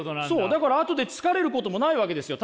だから後で疲れることもないわけですよ。